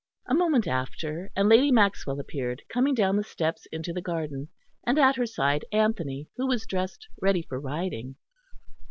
A moment after and Lady Maxwell appeared coming down the steps into the garden; and at her side Anthony, who was dressed ready for riding.